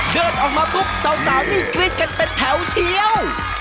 เดินออกมาปุ๊บสาวนี่กรี๊ดกันเป็นแถวเชียว